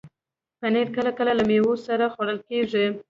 پنېر کله کله له میوو سره خوړل کېږي.